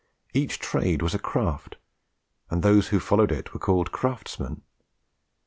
Each trade was a craft, and those who followed it were called craftsmen.